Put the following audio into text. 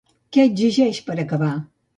Què exigeix per acabar?